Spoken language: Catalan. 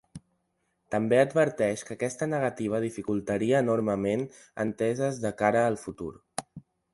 També adverteix que aquesta negativa dificultaria enormement enteses de cara al futur.